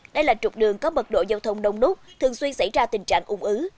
đây là trục đường có mật độ giao thông đông đúc thường xuyên xảy ra tình trạng ung ứ